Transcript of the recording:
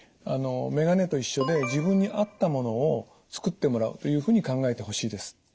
眼鏡と一緒で自分に合ったものを作ってもらうというふうに考えてほしいです。